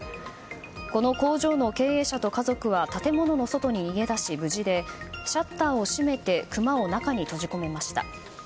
この工場の経営者と家族は建物の外に逃げ出し、無事でシャッターを閉めてクマを中に閉じ込めました。